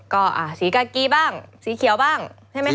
ก็สีกากีบ้างสีเขียวบ้างใช่ไหมค